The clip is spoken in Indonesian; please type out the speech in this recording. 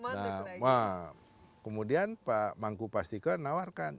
nah kemudian mangku pastikuan nawarkan